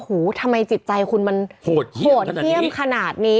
ทำไมจิตใจคุณมันโหดเยี่ยมขนาดนี้